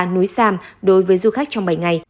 nối sam đối với du khách trong bảy ngày